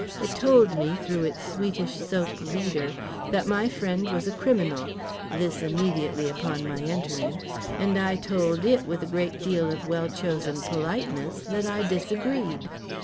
It told me, through its sweetish soap leader, that my friend was a criminal—this immediately upon my entering—and I told it with a great deal of well chosen politeness that I disagreed.